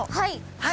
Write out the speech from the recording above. はい。